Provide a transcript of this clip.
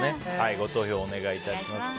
ご投票をお願いします。